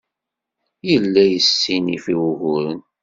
Yella yessinif i wuguren.